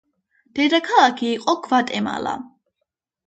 დედაქალაქი იყო გვატემალა.